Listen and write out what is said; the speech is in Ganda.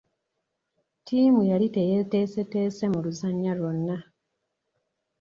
Ttiimu yali teyeteeseteese mu luzannya lwonna.